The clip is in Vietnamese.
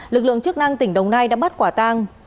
lực lượng chức năng tỉnh đồng nai đã bắt quả tang